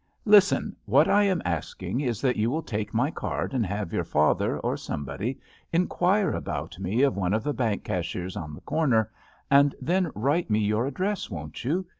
Listen; what I am asking is that you will take my card and have your father, or somebody, inquire about me of one of the bank cashiers on the corner, and JUST SWEETHEARTS J^ then write me your address, won't you